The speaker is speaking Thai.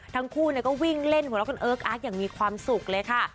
ทั้งคู่ก็วิ่งเล่นหัวเราะกันเอิ๊กอาร์กอย่างมีความสุขเลยค่ะ